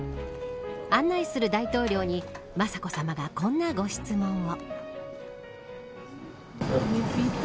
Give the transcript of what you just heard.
案内する大統領に雅子さまがこんなご質問を。